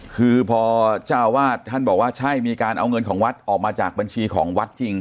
คือพอเจ้าวาดท่านบอกว่าใช่มีการเอาเงินของวัดออกมาจากบัญชีของวัดจริง